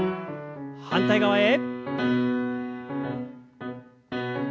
反対側へ。